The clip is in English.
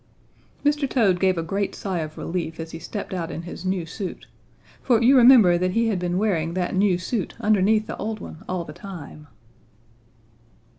"Mr. Toad gave a great sigh of relief as he stepped out in his new suit, for you remember that he had been wearing that new suit underneath the old one all the time.